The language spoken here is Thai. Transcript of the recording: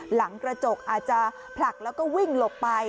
หลังกระจกอาจจะผลักแล้วก็วิ่งหลบไป